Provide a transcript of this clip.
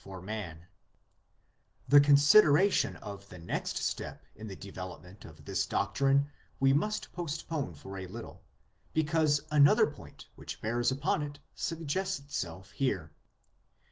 IMMORTALITY THE NORMAL LOT OF MAN 197 The consideration of the next step in the development of this doctrine we must postpone for a little, because another point which bears upon it suggests itself here.